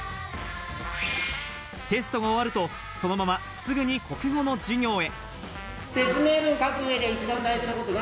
テストが終わると、そのまますぐに国語の授業へ。